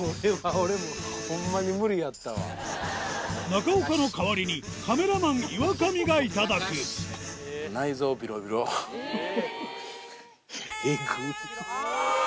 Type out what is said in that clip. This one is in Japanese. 中岡の代わりにカメラマン岩上がいただくあぁ！